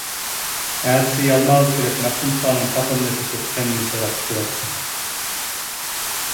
ئەتىسى يالماۋۇز كېلىپ، مەختۇمسۇلانىڭ تاپىنىنى تېشىپ قېنىنى شوراپ ئىچىۋاپتۇ.